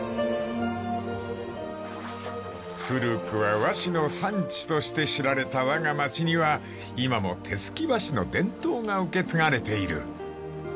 ［古くは和紙の産地として知られたわが町には今も手すき和紙の伝統が受け継がれている］